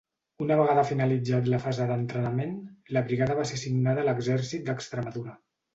Una vegada finalitzat la fase d'entrenament, la brigada va ser assignada a l'Exèrcit d'Extremadura.